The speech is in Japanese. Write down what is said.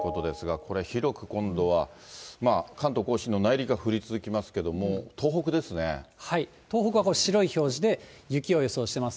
これ広く今度は、関東甲信の内陸は降り続きますけれども、東北はこれ、白い表示で雪を予想してます。